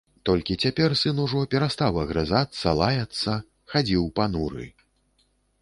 Толькі цяпер сын ужо перастаў агрызацца, лаяцца, хадзіў пануры.